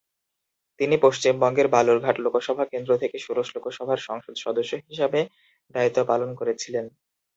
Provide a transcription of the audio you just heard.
তিনি পশ্চিমবঙ্গের বালুরঘাট লোকসভা কেন্দ্র থেকে ষোড়শ লোকসভার সংসদ সদস্য হিসাবে দায়িত্ব পালন করেছিলেন।